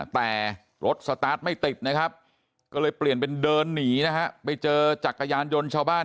แต่รถสตาร์ทไม่ติดนะครับก็เลยเปลี่ยนเป็นเดินหนีนะฮะไปเจอจักรยานยนต์ชาวบ้าน